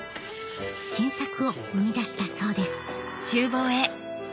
新作を生み出したそうです